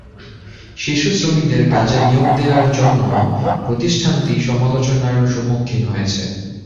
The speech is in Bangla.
শিশু শ্রমিকদের কাজে নিয়োগ দেওয়ার জন্য প্রতিষ্ঠানটি সমালোচনার সম্মুখীন হয়েছে।